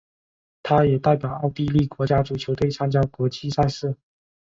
他也代表奥地利国家足球队参加国际赛事。